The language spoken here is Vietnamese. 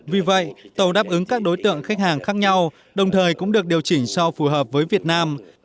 vì vậy tàu đáp ứng các đối tượng khách hàng khác nhau đồng thời cũng được điều chỉnh so phù hợp với việt nam